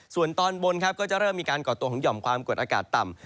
ส่วนตอนบนครับก็จะเริ่มมีการก่อตัวของหย่อมความกดอากาศต่ำ